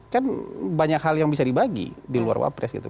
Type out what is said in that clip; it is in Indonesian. kan banyak hal yang bisa dibagi di luar wapres gitu